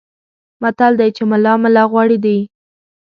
متل دی چې ملا ملا غوړي دي.